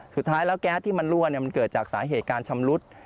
สุดท้ายแก๊สที่มันลั่วเบ็บเกิดจากสาเหตุการณ์ชำรุด